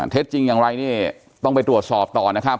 เท็จจริงอย่างไรเนี่ยต้องไปตรวจสอบต่อนะครับ